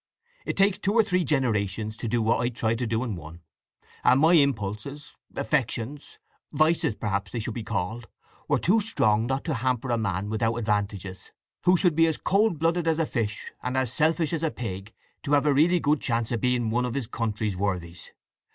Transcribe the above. It takes two or three generations to do what I tried to do in one; and my impulses—affections—vices perhaps they should be called—were too strong not to hamper a man without advantages; who should be as cold blooded as a fish and as selfish as a pig to have a really good chance of being one of his country's worthies.